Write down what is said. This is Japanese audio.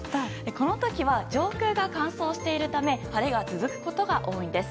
この時は上空が乾燥しているため晴れが続くことが多いんです。